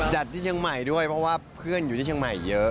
ที่เชียงใหม่ด้วยเพราะว่าเพื่อนอยู่ที่เชียงใหม่เยอะ